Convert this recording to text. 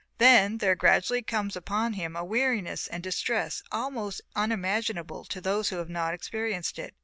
Then there gradually comes upon him a weariness and distress almost unimaginable to those who have not experienced it.